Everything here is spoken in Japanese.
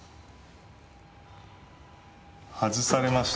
外されました。